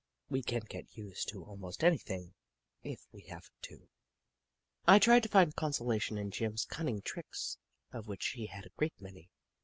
We can get used to almost anything, if we have to, I tried to find consolation in Jim's cunning tricks, of which he had a great many.